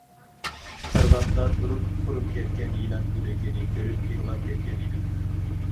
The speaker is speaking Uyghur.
قىرغاقتا تۇرۇپ، قۇرۇپ كەتكەن يىلان ئۆلۈكىنى كۆرۈپ يىغلاپ كەتكەن ئىدىم.